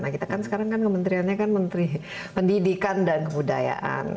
nah kita kan sekarang kan kementeriannya kan menteri pendidikan dan kebudayaan